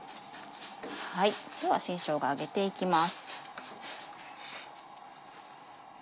では新しょうがあげていきます。